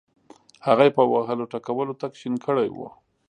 هغه یې په وهلو ټکولو تک شین کړی وو.